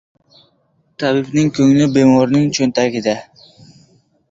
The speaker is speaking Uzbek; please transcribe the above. • Tabibning ko‘ngli bemorning cho‘ntagida.